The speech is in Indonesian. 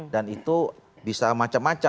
dan itu bisa macam macam